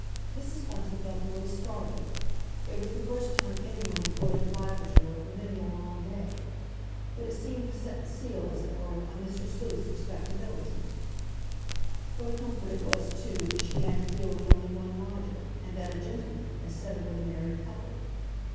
Mrs. Bunting felt a little startled. It was the first time anyone had quoted the Bible to her for many a long day. But it seemed to set the seal, as it were, on Mr. Sleuth's respectability. What a comfort it was, too, that she had to deal with only one lodger, and that a gentleman, instead of with a married couple!